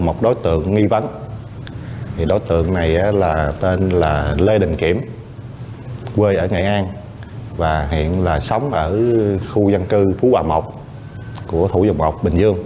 một đối tượng nghi vấn thì đối tượng này là tên là lê đình kiểm quê ở nghệ an và hiện là sống ở khu dân cư phú hòa một của thủ dầu bọc bình dương